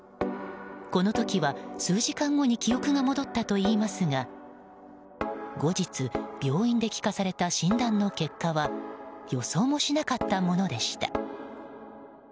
この時は、数時間後に記憶が戻ったといいますが後日、病院で聞かされた診断の結果は予想もしなかったものでした。